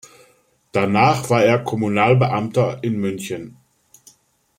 Danach war er Kommunalbeamter in München.